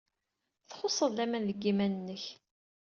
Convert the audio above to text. Txuṣṣeḍ laman deg yiman-nnek.